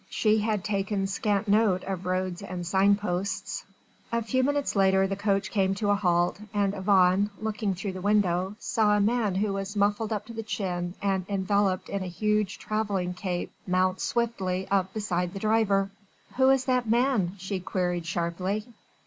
She had taken scant note of roads and signposts. A few minutes later the coach came to a halt and Yvonne, looking through the window, saw a man who was muffled up to the chin and enveloped in a huge travelling cape, mount swiftly up beside the driver. "Who is that man?" she queried sharply.